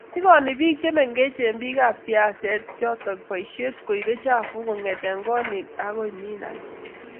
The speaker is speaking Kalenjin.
igoni biik chemengech biikap siaset choto boishet koibe tmchafuk kongete koot niagoi ninage